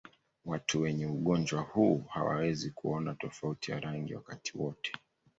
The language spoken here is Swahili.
Watu wenye ugonjwa huu hawawezi kuona tofauti ya rangi wakati wote.